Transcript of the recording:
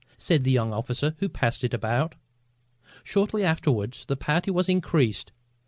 said the young officer who passed it about. Shortly afterward the party was increased.